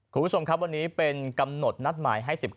คุณผู้ชมครับวันนี้เป็นกำหนดนัดหมายให้๑๙